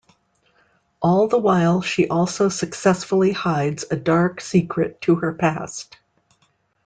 All the while she also successfully hides a dark secret to her past.